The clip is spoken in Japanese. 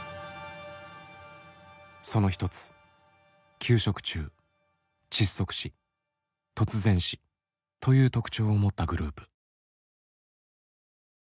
その一つ「給食中」「窒息死」「突然死」という特徴を持ったグループ。